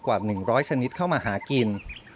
กว่า๑๐๐ชนิดเข้ามาหากิน